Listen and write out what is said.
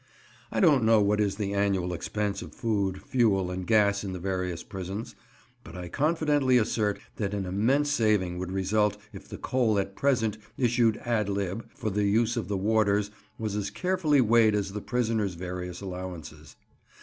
I don't know what is the annual expense of food, fuel, and gas in the various prisons, but I confidently assert that an immense saving would result if the coal at present issued ad lib. for the use of the warders was as carefully weighed as the prisoners' various allowances.